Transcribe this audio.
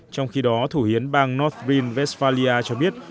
trong khi đó thủ hiến bang north green westphalia cho biết